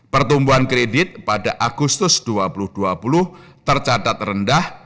pertumbuhan kredit pada agustus dua ribu dua puluh tercatat rendah